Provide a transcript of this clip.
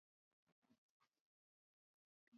هیلۍ د هر عمر خلکو ته خوښه ده